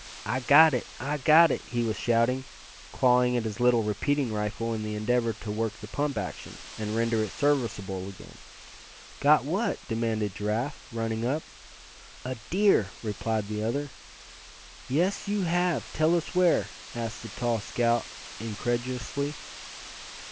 "I got it! I got it!" he was shouting, clawing at his little repeating rifle in the endeavor to work the pump action, and render it serviceable again. "Got what?" demanded Giraffe, running up. "A deer!" replied the other. "Yes, you have. Tell us where?" asked the tall scout, incredulously.